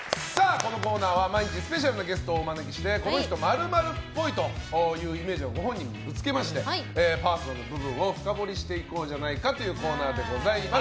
このコーナーは毎日スペシャルなゲストをお招きしてこの人○○っぽいというイメージをご本人にぶつけましてパーソナルな部分を深掘りしていこうというコーナーでございます。